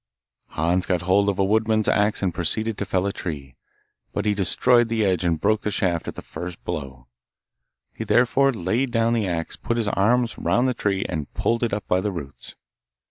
Hans got hold of a woodman's axe and proceeded to fell a tree, but he destroyed the edge and broke the shaft at the first blow. He therefore laid down the axe, put his arms round the tree, and pulled it up by the roots.